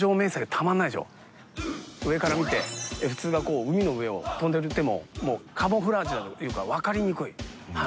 上から見てＦ−２がこう海の上を飛んでてもカモフラージュというかわかりにくい。